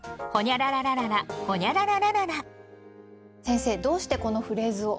先生どうしてこのフレーズを？